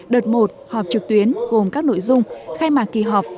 đợt một họp trực tuyến gồm các nội dung khai mạc kỳ họp